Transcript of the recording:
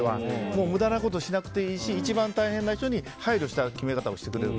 無駄なことしなくていいし一番大変な人に配慮した決め方をしてくれる。